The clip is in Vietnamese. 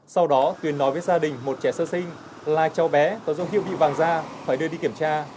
sau đó tuyền nói với gia đình một trẻ sơ sinh là cháu bé có dấu hiệu bị vàng da phải đưa đi kiểm tra